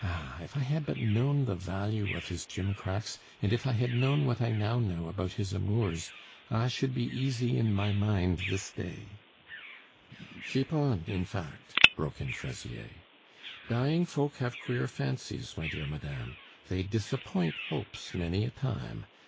Ah! if I had but known the value of his gimcracks, and if I had known what I know now about his amours, I should be easy in my mind this day " "Keep on, in fact," broke in Fraisier. "Dying folk have queer fancies, my dear madame; they disappoint hopes many a time.